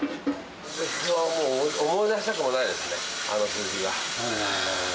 もう思い出したくもないですね、あの数字は。